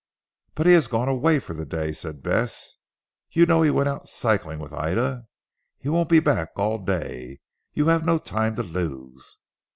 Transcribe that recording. "But he has gone away for the day," said Bess, "you know he went out cycling with Ida. He won't be back all day. You have no time to lose."